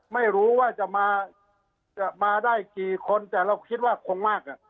ไม่รู้ว่าจะมาจะมาได้กี่คนแต่เราคิดว่าคงมากอ่ะ